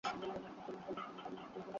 আমাকে ভয় দেখানোর চেষ্টা করছিস?